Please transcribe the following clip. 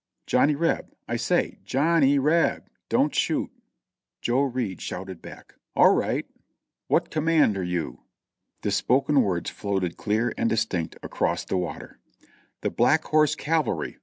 "Johnny Reb; I say, J o h n n y R e b, don't shoot!" Joe Reid shouted back, "All right !" "What command are you?" The spoken words floated clear and distinct across the water, "The Black Horse Cavalry.